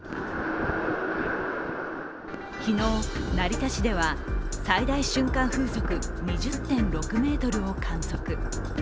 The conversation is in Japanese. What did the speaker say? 昨日、成田市では最大瞬間風速２０．６メートルを観測。